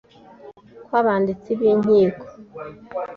kw abanditsi b inkiko